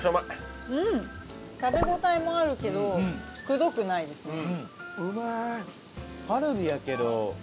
食べ応えもあるけどくどくないですね。